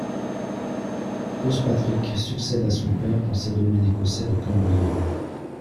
Gospatrick succède à son père dans ses domaines écossais de Cumbria.